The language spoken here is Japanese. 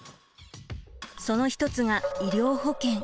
その一つが医療保険。